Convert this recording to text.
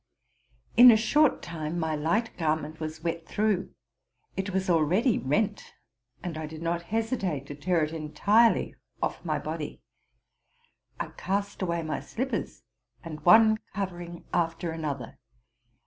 In a short time my light garment was wet through. It was already rent, and I "did not hesitate to tear it entirely off my body. I cast away my slippers, and one covering after another.